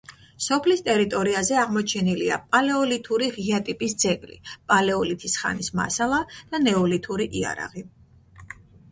სოფლის ტერიტორიაზე აღმოჩენილია პალეოლითური ღია ტიპის ძეგლი, პალეოლითის ხანის მასალა და ნეოლითური იარაღი.